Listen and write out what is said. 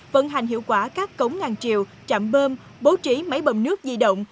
vận hành hiệu quả các cống ngang triều trạm bơm bố trí máy bầm nước di động